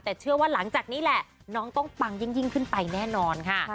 แต่เชื่อว่าหลังจากนี้แหละน้องต้องปังยิ่งขึ้นไปแน่นอนค่ะ